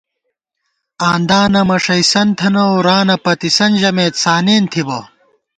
“آندانہ مَݭَئیسَن تھنَؤ رانَہ پَتِسن ژَمېت” سانېن تھِبہ